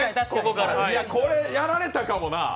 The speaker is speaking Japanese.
これ、やられたかもな。